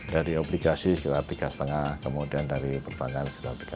dari obligasi sekitar tiga lima kemudian dari perbuangan sekitar tiga lima juta gitu